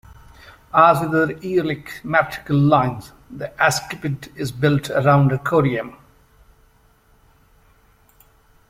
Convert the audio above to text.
As with other Aeolic metrical lines, the asclepiad is built around a choriamb.